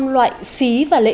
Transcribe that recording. ba mươi năm loại phí và lệnh